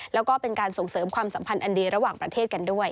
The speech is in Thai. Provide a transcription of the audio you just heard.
แล้วก็เป็นการส่งเสริมความสัมพันธ์อันดีระหว่างประเทศกันด้วย